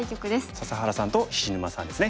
笹原さんと菱沼さんですね。